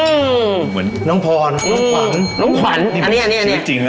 เหมือนน้องพรน้องขวัญน้องขวัญอันนี้อันนี้อันนี้ชีวิตจริง